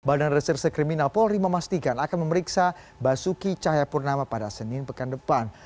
badan reserse kriminal polri memastikan akan memeriksa basuki cahayapurnama pada senin pekan depan